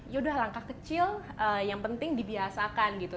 ya udah langkah kecil yang penting dibiasakan gitu